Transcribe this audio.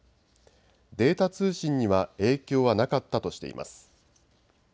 データ通信には影響はなかったとしています。